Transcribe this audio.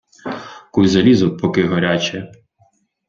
Куй залізо, поки гаряче!